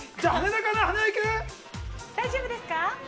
大丈夫ですか。